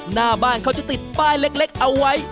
หน้าบ้านเขาจะติดป้ายเล็กเอาไว้